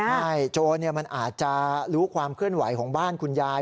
ใช่โจรมันอาจจะรู้ความเคลื่อนไหวของบ้านคุณยาย